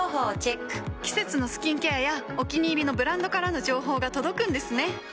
季節のスキンケアやお気に入りのブランドからの情報が届くんですね。